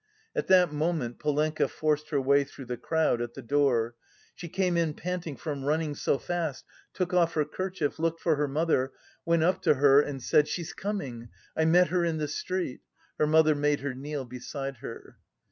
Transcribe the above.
At that moment Polenka forced her way through the crowd at the door. She came in panting from running so fast, took off her kerchief, looked for her mother, went up to her and said, "She's coming, I met her in the street." Her mother made her kneel beside her.